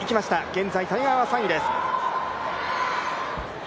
現在、谷川が３位です。